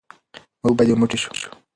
موږ باید یو موټی شو.